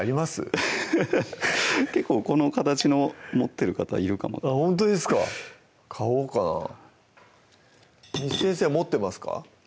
アハハハ結構この形の持ってる方いるかもほんとですか買おうかな簾先生持ってますか？